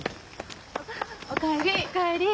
お帰り。